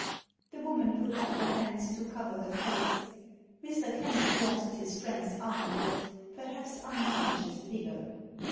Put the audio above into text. The woman put up her hands to cover her face. Mr. Kennard grasped his friend*s arm with, perhaps, unconscious vigour.